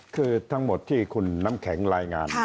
คือทั้งหมดที่คุณน้ำแข็งรายงาน